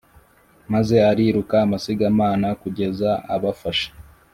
maze ariruka amasigamana kugeza abafashe